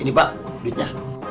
ini pak duitnya